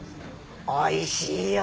おいしいよ。